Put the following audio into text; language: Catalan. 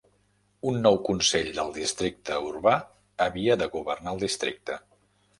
Un nou consell del districte urbà havia de governar el districte.